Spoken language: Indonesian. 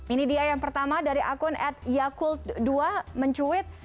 ini dia yang pertama dari akun at yakult dua mencuit